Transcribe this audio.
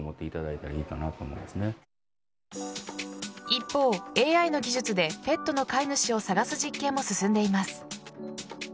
一方、ＡＩの技術でペットの飼い主を探す実験も進んでいます。